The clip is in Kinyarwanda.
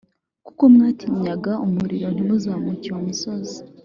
kuko mwatinyaga umuriro, ntimuzamuke uwo musozi.